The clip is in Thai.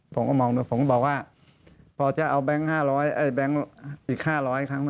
ผมก็บอกว่าพอจะเอาแบงค์อีก๕๐๐ครั้ง